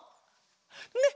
ねっ！